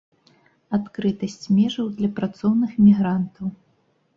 Адкрытасць межаў для працоўных мігрантаў.